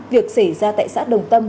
việc xảy ra tại xã đồng tâm